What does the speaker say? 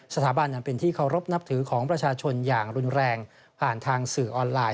สถาบันอันเป็นที่เคารพนับถือของประชาชนอย่างรุนแรงผ่านทางสื่อออนไลน